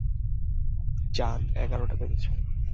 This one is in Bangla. জান এগারোটা বেজেছে।